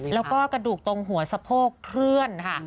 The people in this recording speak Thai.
แล้วก็กระดูกตรงหัวสะโพกเคลื่อนค่ะ